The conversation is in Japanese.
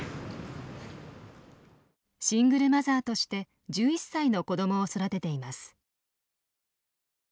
シングルマザーとして１１歳の子どもを育てています。